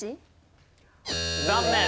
残念。